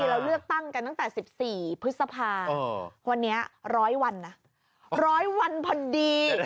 เราเลือกตั้งกันตั้งแต่๑๔พฤษภาวันนี้๑๐๐วันนะ๑๐๐วันพอดี